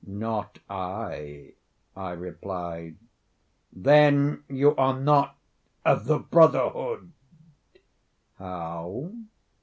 "Not I," I replied. "Then you are not of the brotherhood." "How?"